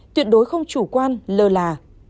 tuyệt đối không chủ quan lờ là